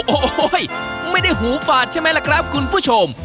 โอ้โหไม่ได้หูฝาดใช่ไหมล่ะครับคุณผู้ชม